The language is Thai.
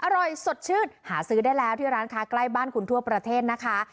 อร่อยสดชื่นหาซื้อได้แล้วที่ร้านค้าใกล้บ้านคุณทั่วประเทศนะคะ